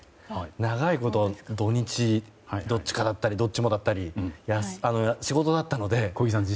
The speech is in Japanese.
長いこと土日どっちかだったりどっちもだったり仕事だったので。